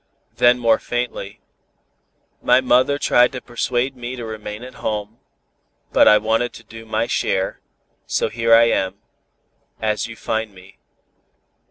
Then more faintly "My mother tried to persuade me to remain at home, but I wanted to do my share, so here I am as you find me.